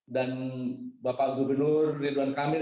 dan bapak gubernur ridwan kamil